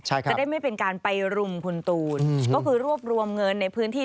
จะได้ไม่เป็นการไปรุมคุณตูนก็คือรวบรวมเงินในพื้นที่